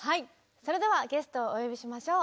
それではゲストをお呼びしましょう。